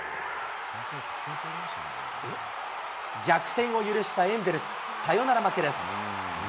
逆転を許したエンゼルス、サヨナラ負けです。